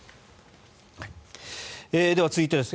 では続いてです。